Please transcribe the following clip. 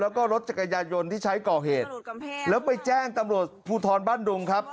แล้วก็รถจักรยายนที่ใช้ก่อเหตุแล้วไปแจ้งตำรวจภูทรบ้านดุงครับ